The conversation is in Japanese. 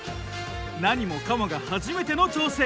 何もかもが初めての挑戦。